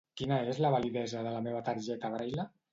Quina és la validesa de la meva targeta Braile?